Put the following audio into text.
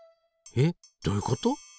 えっどういうこと？